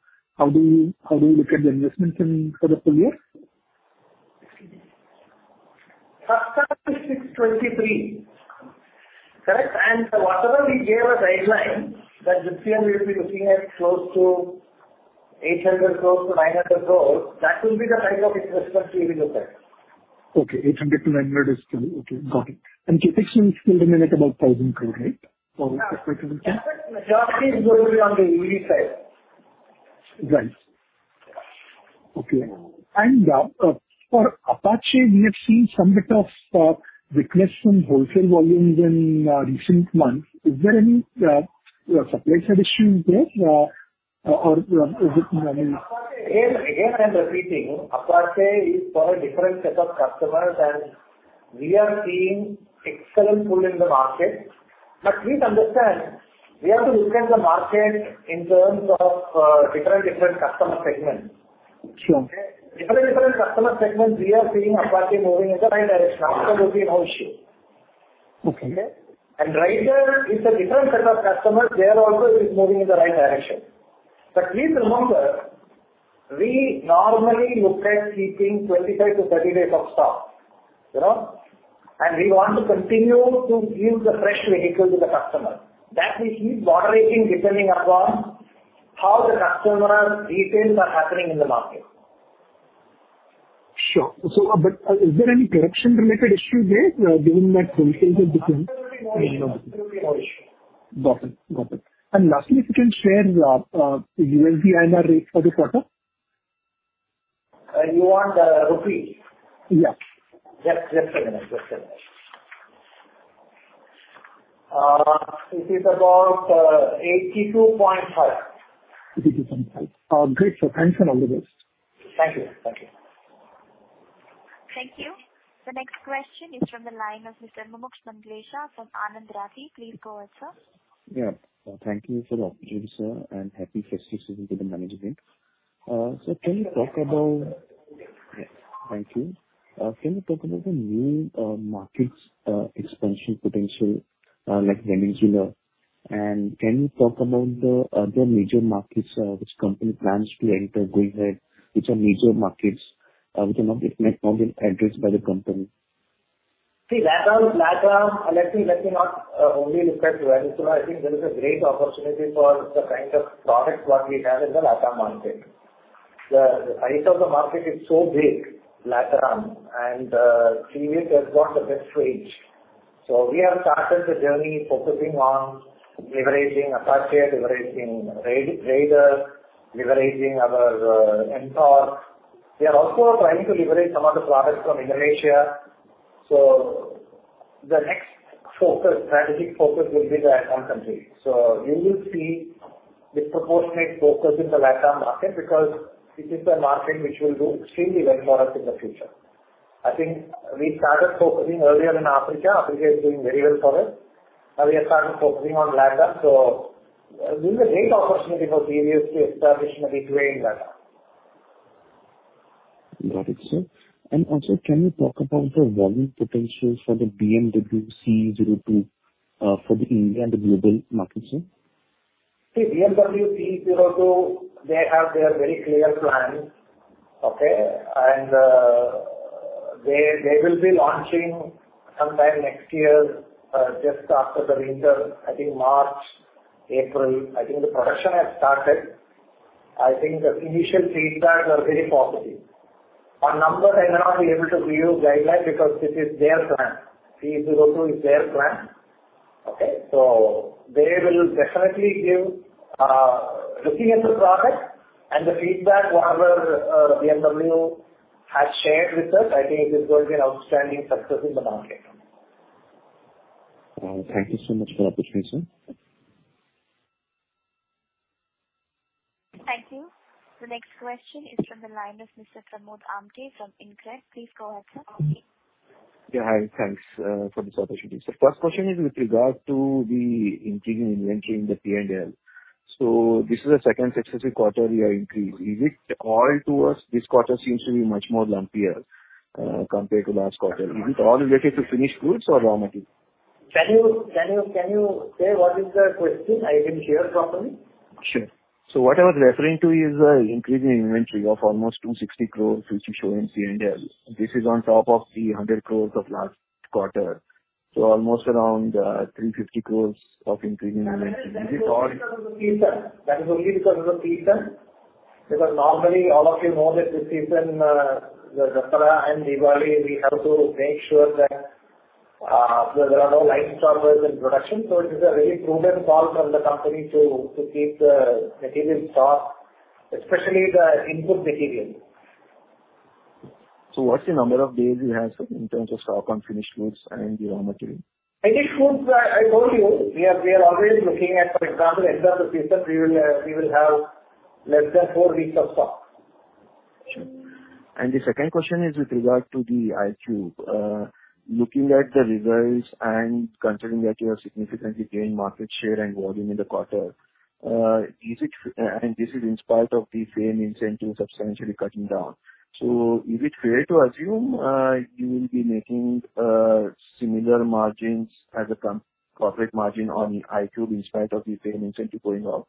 do you, how do you look at the investments in for the full year? 623 crore. Correct, and whatever we gave as guideline, that this year we will be looking at close to 800 crore to 900 crore, that will be the kind of investment we will look at. Okay, 800 crore to 900 crore is still... Okay, got it. And CapEx will remain at about 1,000 crore, right? For- Yeah. CapEx is going to be on the easy side. Right. Okay. And, for Apache, we have seen some bit of weakness in wholesale volumes in recent months. Is there any supply side issue there, or is it- Again, again, I'm repeating, Apache is for a different set of customers, and we are seeing excellent pull in the market. But please understand, we have to look at the market in terms of, different, different customer segments. Sure. Different, different customer segments, we are seeing Apache moving in the right direction. That would be no issue. Okay. Raider is a different set of customers. There also, it is moving in the right direction. But please remember, we normally look at keeping 25-30 days of stock, you know, and we want to continue to give the fresh vehicles to the customer. That we keep moderating, depending upon how the customer retails are happening in the market. Sure. But is there any production-related issue there, given that wholesale is different? Absolutely no issue. Got it. Got it. And lastly, if you can share, USD-INR rate for this quarter? You want, rupee? Yeah. Just, just a minute. Just a minute. It is about 82.5. 82.5. Great, sir. Thanks and all the best. Thank you. Thank you. Thank you. The next question is from the line of Mr. Mumuksh Mandlesha from Anand Rathi. Please go ahead, sir. Yeah. Thank you for the opportunity, sir, and Happy Festive Season to the management. Can you talk about the new markets expansion potential, like Venezuela? And can you talk about the other major markets which company plans to enter going ahead, which are major markets which have not yet not been addressed by the company? See, LATAM, let me, let me not only look at Venezuela. I think there is a great opportunity for the kind of products what we have in the LATAM market. The, the size of the market is so big, LATAM, and TVS has got the best range. So we have started the journey focusing on leveraging Apache, leveraging Raider, leveraging our Ntorq. We are also trying to leverage some of the products from Indonesia. So the next focus, strategic focus will be the LATAM country. So you will see disproportionate focus in the LATAM market because it is a market which will do extremely well for us in the future. I think we started focusing earlier in Africa. Africa is doing very well for us. Now we have started focusing on LATAM, so this is a great opportunity for TVS to establish a big way in LATAM. Got it, sir. And also, can you talk about the volume potential for the BMW CE 02, for India and the global market, sir? The BMW CE 02, they have their very clear plans, okay? And, they, they will be launching sometime next year, just after the winter, I think March, April. I think the production has started. I think the initial feedback is very positive. On numbers, I may not be able to give you guideline because it is their brand. CE 02 is their brand, okay? So they will definitely give, looking at the product and the feedback, whatever, BMW has shared with us, I think it is going to be an outstanding success in the market. Thank you so much for the opportunity, sir. Thank you. The next question is from the line of Mr. Pramod Amthe from InCred. Please go ahead, sir. Yeah, hi. Thanks, for this opportunity. So first question is with regard to the increase in inventory in the PNL. So this is the second successive quarter we are increasing. Is it all towards this quarter seems to be much more lumpier, compared to last quarter. Is it all related to finished goods or raw material? Can you say what is the question? I didn't hear properly. Sure. So what I was referring to is the increase in inventory of almost 260 crore, which you show in PNL. This is on top of the 100 crore of last quarter, so almost around 350 crore of increase in inventory. That is only because of the peak season. That is only because of the peak season. Because normally all of you know that this season, the Dussehra and Diwali, we have to make sure that, there are no line stoppers in production. So it is a very prudent call from the company to, to keep the material stock, especially the input material. What's the number of days you have in terms of stock on finished goods and the raw material? Finished goods, I told you, we are always looking at, for example, end of the season, we will have less than four weeks of stock. Sure. And the second question is with regard to the iQube. Looking at the results and considering that you have significantly gained market share and volume in the quarter, is it. And this is in spite of the FAME incentives substantially cutting down. So is it fair to assume you will be making similar margins as a corporate margin on iQube in spite of the FAME incentive going off?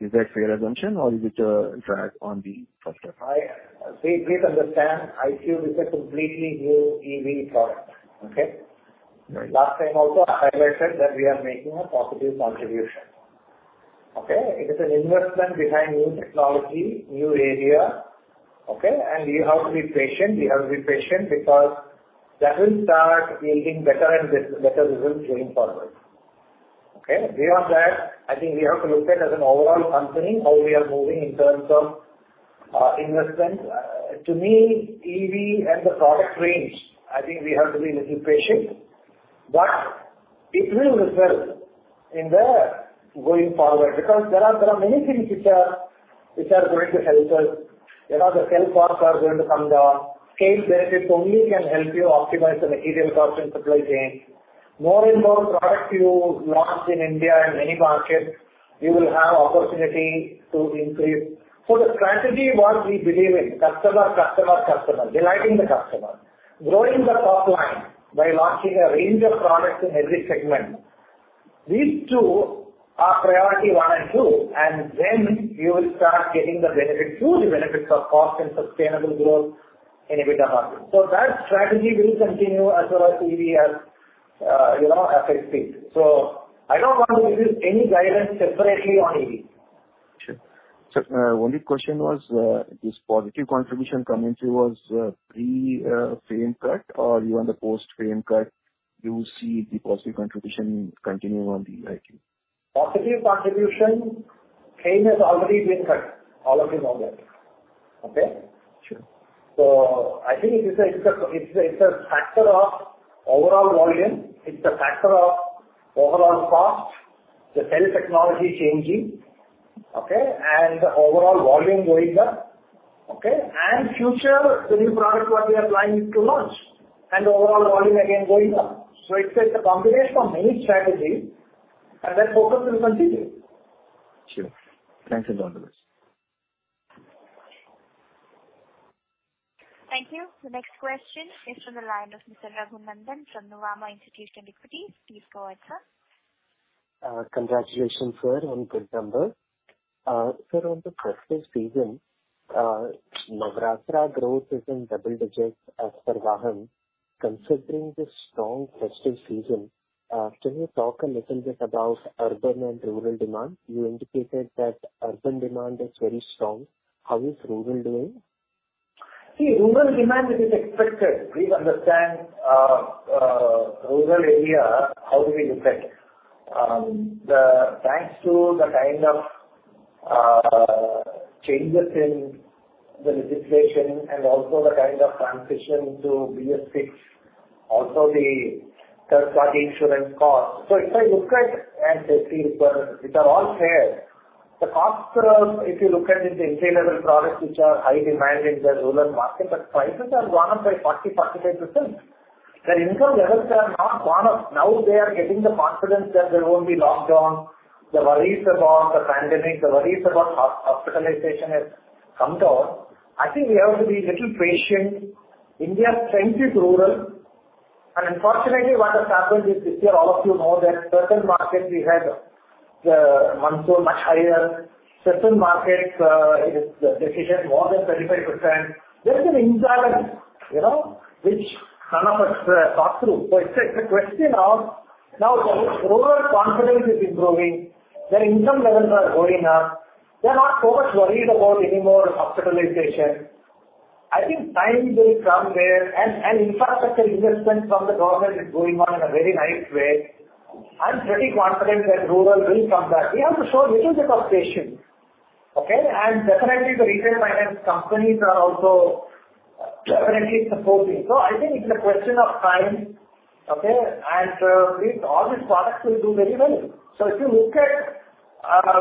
Is that a fair assumption or is it a drag on the cluster? Please, please understand, iQube is a completely new EV product, okay? Right. Last time also, I said that we are making a positive contribution. Okay? It is an investment behind new technology, new area, okay? We have to be patient. We have to be patient because that will start yielding better and better results going forward. Okay? Beyond that, I think we have to look at as an overall company, how we are moving in terms of, investment. To me, EV and the product range, I think we have to be little patient, but it will result in the going forward, because there are, there are many things which are, which are going to help us. You know, the sell costs are going to come down. Scale benefits only can help you optimize the material cost and supply chain. More and more products you launch in India and many markets, you will have opportunity to increase. So the strategy what we believe in, customer, customer, customer, delighting the customer, growing the top line by launching a range of products in every segment. These two are priority one and two, and then you will start getting the benefits, two, the benefits of cost and sustainable growth in EBITDA margin. So that strategy will continue as well as EV as, you know, as I speak. So I don't want to give you any guidance separately on EV. Sure. So, only question was, this positive contribution coming through was pre-FAME cut or even the post-FAME cut, you see the positive contribution continuing on the iQube? Positive contribution, FAME has already been cut. All of you know that. Okay? Sure. So I think it's a factor of overall volume. It's a factor of overall cost, the cell technology changing, okay? And the overall volume going up, okay? And future new product what we are planning to launch, and the overall volume again, going up. So it's a combination of many strategies, and that focus will continue. Sure. Thanks a ton, sir. Thank you. The next question is from the line of Mr. Raghunandhan from Nuvama Institutional Equities. Please go ahead, sir. Congratulations, sir, on good number. Sir, on the festival season, Navratri growth is in double digits as per Vahan. Considering the strong festival season, can you talk a little bit about urban and rural demand? You indicated that urban demand is very strong. How is rural doing? See, rural demand is expected. Please understand, rural area, how do we look at? Thanks to the kind of changes in the legislation and also the kind of transition to BS-VI, also the third party insurance cost. So if I look at and say, these are, which are all fair, the cost, if you look at the entry-level products which are high demand in the rural market, but prices are gone up by 40%-45%. Their income levels are not gone up. Now, they are getting the confidence that there won't be lockdown, the worries about the pandemic, the worries about hospitalization has come down. I think we have to be little patient. India's strength is rural, and unfortunately, what has happened is, this year, all of you know that certain markets we had, the monsoon much higher, certain markets, it is deficient more than 35%. There's an imbalance, you know, which none of us thought through. So it's a, it's a question of-... Now, the rural confidence is improving, their income levels are going up. They are not so much worried about any more hospitalization. I think time will come where-- and, and infrastructure investment from the government is going on in a very nice way. I'm pretty confident that rural will come back. We have to show a little bit of patience, okay? And definitely, the retail finance companies are also definitely supporting. So I think it's a question of time, okay? And, these, all these products will do very well. So if you look at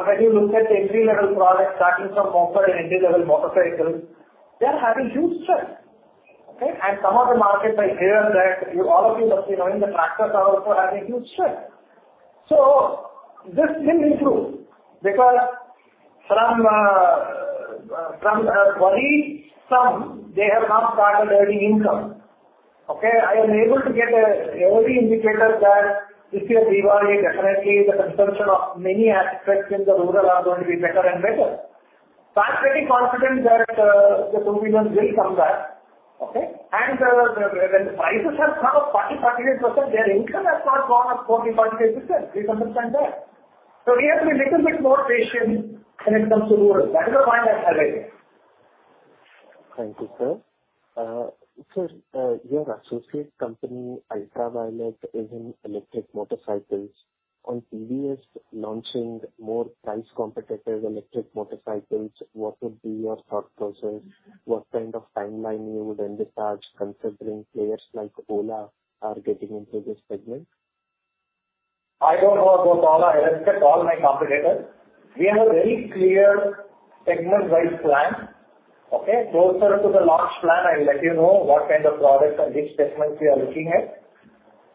when you look at the entry-level products, starting from moped and entry-level motorcycles, they are having huge strength, okay? And some of the markets are here and there. You, all of you must be knowing the tractors are also having huge strength. So this will improve, because from worry, some, they have not started earning income, okay? I am able to get a early indicator that this year, Diwali, definitely the consumption of many aspects in the rural are going to be better and better. So I'm pretty confident that the two-wheelers will come back, okay? And when prices have come up 40%-48%, their income has not gone up 40%-48%. Please understand that. So we have to be a little bit more patient when it comes to rural. That is the point I'm highlighting. Thank you, sir. Sir, your associate company, Ultraviolette, is in electric motorcycles. On TVS launching more price competitive electric motorcycles, what would be your thought process? What kind of timeline you would envisage, considering players like Ola are getting into this segment? I don't know about Ola. I respect all my competitors. We have a very clear segment-wide plan, okay? Closer to the launch plan, I will let you know what kind of products and which segments we are looking at,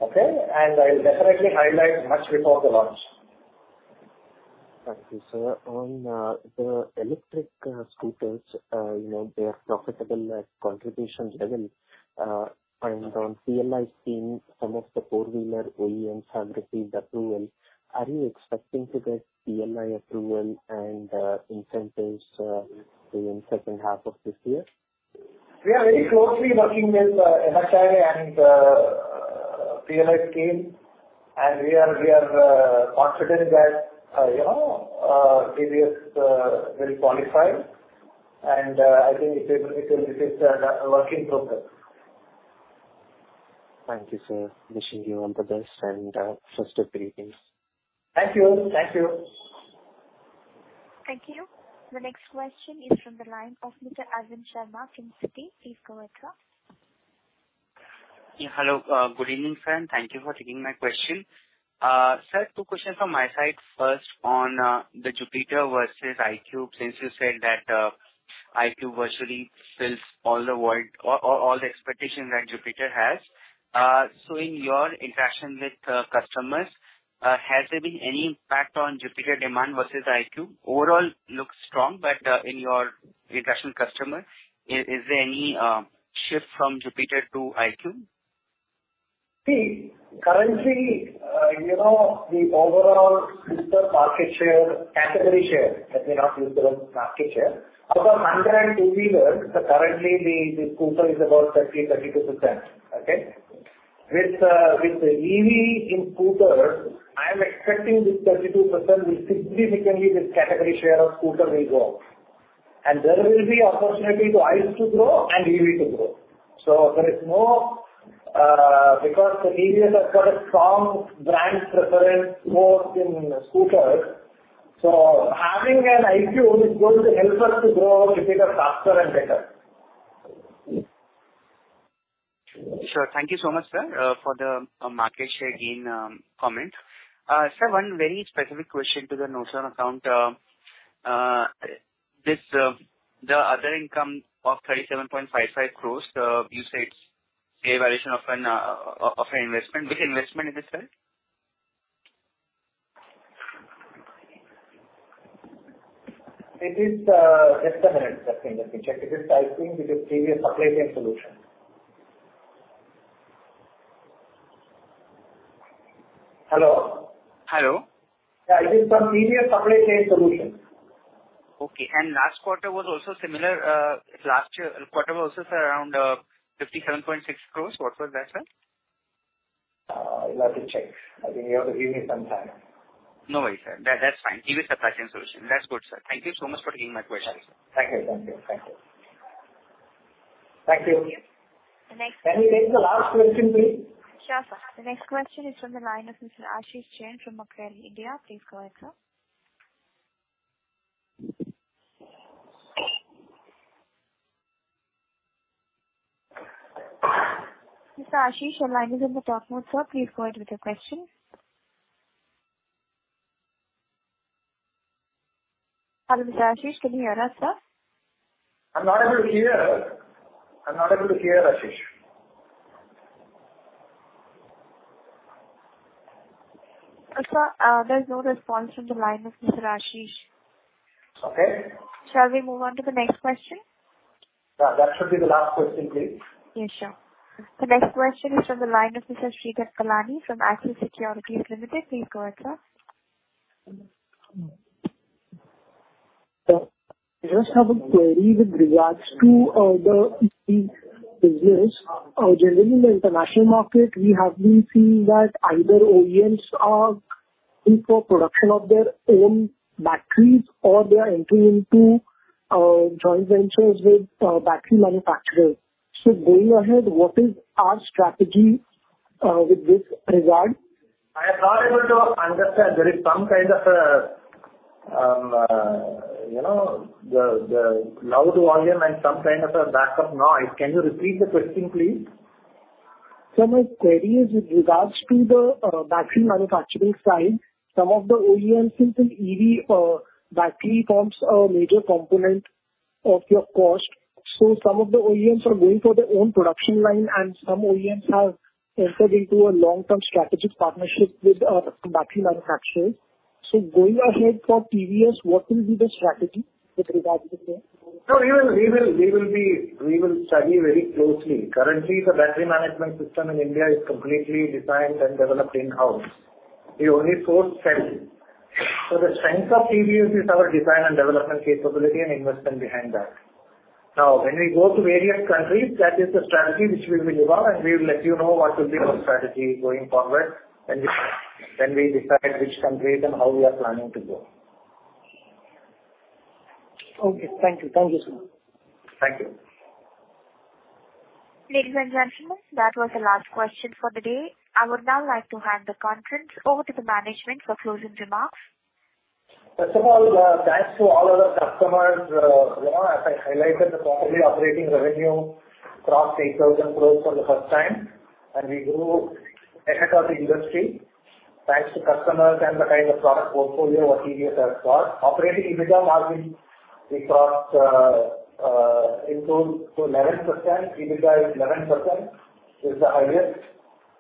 okay? I'll definitely highlight much before the launch. Thank you, sir. On the electric scooters, you know, they are profitable at contribution level. On PLI scheme, some of the four-wheeler OEMs have received approval. Are you expecting to get PLI approval and incentives in second half of this year? We are very closely working with MHI and PLI team, and we are confident that you know TVS very qualified and I think it's a work in progress. Thank you, sir. Wishing you all the best, and festive greetings. Thank you. Thank you. Thank you. The next question is from the line of Mr. Arvind Sharma from Citi. Please go ahead, sir. Yeah, hello. Good evening, sir, and thank you for taking my question. Sir, two questions from my side. First, on the Jupiter versus iQube. Since you said that iQube virtually fills all the void, or all the expectations that Jupiter has. So in your interaction with customers, has there been any impact on Jupiter demand versus iQube? Overall, looks strong, but in your interaction with customers, is there any shift from Jupiter to iQube? See, currently, you know, the overall scooter market share, category share, let me not use the word market share. Out of 100 two-wheelers, currently the scooter is about 30%, 32%. Okay? With EV in scooters, I am expecting this 32% will significantly, this category share of scooter will go up. And there will be opportunity to ICE to grow and EV to grow. So there is no. Because TVS has got a strong brand preference, both in scooters. So having an iQube is going to help us to grow Jupiter faster and better. Sure. Thank you so much, sir, for the market share gain comment. Sir, one very specific question to the Norton account. This, the other income of 37.55 crore, you said it's a valuation of an investment. Which investment is this, sir? It is just a minute. Let me, let me check. It is typing. It is TVS Supply Chain Solution. Hello? Hello. Yeah, it is from TVS Supply Chain Solution. Okay. And last quarter was also similar, last year quarter was also around 57.6 crore. What was that, sir? I'll have to check. I think you have to give me some time. No worry, sir. That, that's fine. TVS Supply Chain Solutions. That's good, sir. Thank you so much for taking my question. Thank you. Thank you. Thank you. Thank you. The next- Can you take the last question, please? Sure, sir. The next question is from the line of Mr. Ashish Jain from Macquarie India. Please go ahead, sir. Mr. Ashish, your line is on the talk mode, sir. Please go ahead with your question. Hello, Mr. Ashish, can you hear us, sir? I'm not able to hear. I'm not able to hear Ashish. Sir, there's no response from the line of Mr. Ashish. Okay. Shall we move on to the next question? Yeah, that should be the last question, please. Yes, sure. The next question is from the line of Mr. Srikant Palani from Axis Securities Limited. Please go ahead, sir. I just have a query with regards to the business. Generally in the international market, we have been seeing that either OEMs are in for production of their own batteries, or they are entering into joint ventures with battery manufacturers. So going ahead, what is our strategy with this regard? I am not able to understand. There is some kind of, you know, the loud volume and some kind of a backup noise. Can you repeat the question, please? So my query is with regards to the battery manufacturing side. Some of the OEMs in EV battery forms a major component of your cost. So some of the OEMs are going for their own production line, and some OEMs have entered into a long-term strategic partnership with battery manufacturers. So going ahead for TVS, what will be the strategy with regards to this? No, we will study very closely. Currently, the battery management system in India is completely designed and developed in-house. We only source cells. So the strength of TVS is our design and development capability and investment behind that. Now, when we go to various countries, that is the strategy which will be developed, and we will let you know what will be our strategy going forward when we decide which countries and how we are planning to go. Okay. Thank you. Thank you, sir. Thank you. Ladies and gentlemen, that was the last question for the day. I would now like to hand the conference over to the management for closing remarks. First of all, thanks to all of our customers. You know, as I highlighted, the quarterly operating revenue crossed 8,000 crore for the first time, and we grew ahead of the industry, thanks to customers and the kind of product portfolio what TVS has got. Operating EBITDA margin, we crossed into 11%. EBITDA is 11%, is the highest.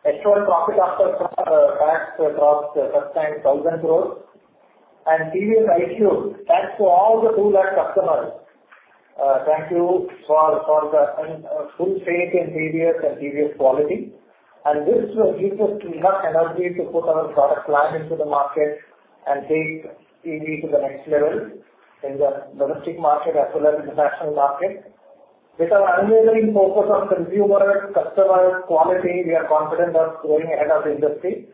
Actual profit after tax crossed, first time, 1,000 crore. And TVS iQube, thanks to all the 200,000 customers. Thank you for the full faith in TVS and TVS quality. And this gives us enough energy to put our product line into the market and take EV to the next level in the domestic market, as well as international market. With our unwavering focus on consumer, customers, quality, we are confident of going ahead of the industry,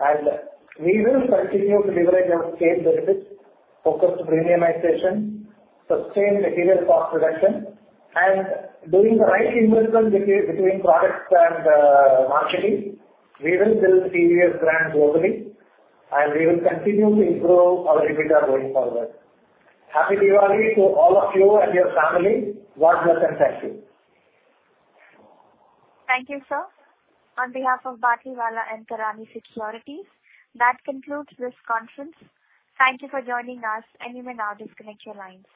and we will continue to leverage our scale benefits, focus to premiumization, sustain material cost reduction, and doing the right investment between products and marketing. We will build TVS brand globally, and we will continue to improve our EBITDA going forward. Happy Diwali to all of you and your family. God bless and thank you. Thank you, sir. On behalf of Batlivala & Karani Securities, that concludes this conference. Thank you for joining us, and you may now disconnect your lines.